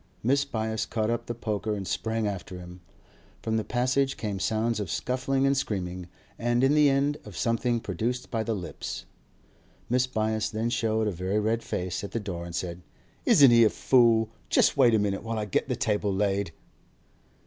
Mrs. Byass caught up the poker and sprang after him. From the passage came sounds of scuffling and screaming, and in the end of something produced by the lips. Mrs. Byass then showed a very red face at the door, and said: 'Isn't he a fool? Just wait a minute while I get the table laid.